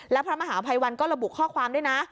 และพระมหาภัยวันก็ระบุข้อความด้วยนะ